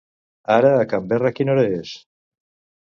Ara a Canberra quina hora és?